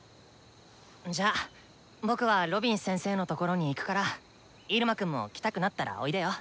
じゃあ僕はロビン先生のところに行くからイルマくんも来たくなったらおいでよ。